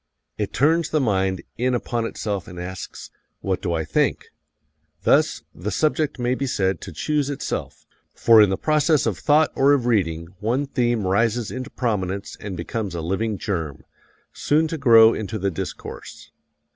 It turns the mind in upon itself and asks, What do I think? Thus, the subject may be said to choose itself, for in the process of thought or of reading one theme rises into prominence and becomes a living germ, soon to grow into the discourse.